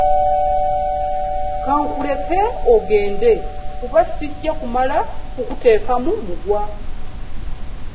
Ka nkuleke ogende kuba ssijja kumala kukuteekamu mugwa.